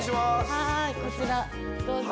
はいこちらどうぞ。